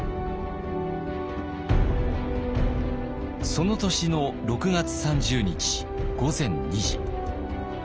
その年の６月３０日午前２時。